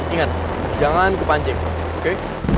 ingat jangan kepancing oke